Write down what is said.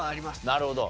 なるほど。